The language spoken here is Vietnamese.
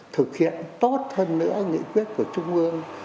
thực hiện tốt hơn nữa nghị quyết của trung ương